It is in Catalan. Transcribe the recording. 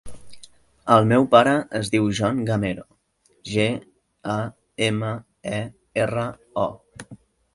El meu pare es diu John Gamero: ge, a, ema, e, erra, o.